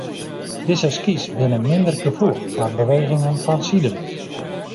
Dizze skys binne minder gefoelich foar bewegingen fansiden.